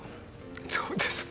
そうですか。